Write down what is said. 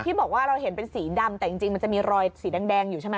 ที่บอกว่าเราเห็นเป็นสีดำแต่จริงมันจะมีรอยสีแดงอยู่ใช่ไหม